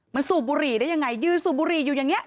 มันสูบบุหรี่ได้ยังไงยืนสูบบุหรี่อยู่อย่างนี้